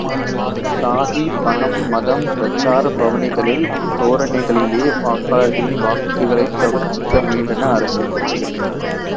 சாதி, பணம், மதம், பிரச்சார பவனிகளின் தோரணைகளிலே வாக்காளர்களின் வாக்குகளைக் கவர்ச்சிக்க முயன்றன அரசியல் கட்சிகள்!